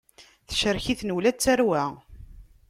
Tecrek-iten ula d tarwa.